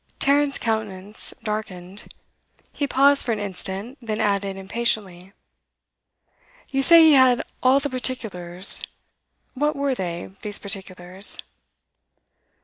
Tarrant's countenance darkened; he paused for an instant, then added impatiently: 'You say he had "all the particulars." What were they, these particulars?